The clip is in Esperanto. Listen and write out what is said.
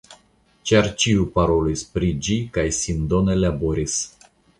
Ĉar ĉiu parolis pri ĝi, kaj sindone laboris.